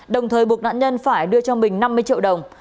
đồng thời buộc nạn nhân phải đưa cho bình năm mươi triệu đồng